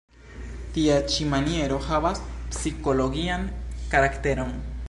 Tia ĉi maniero havas psikologian karakteron.